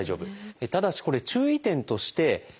ただしこれ注意点としてこちら。